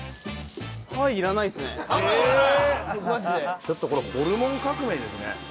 ちょっとこれホルモン革命ですね。